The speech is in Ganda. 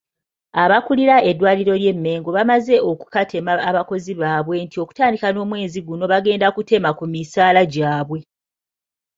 Abakulira eddwaliro ly'e Mmengo bamaze okukatema abakozi baabwe nti okutandika n'omwezi guno bagenda kutema ku misaala gyabwe.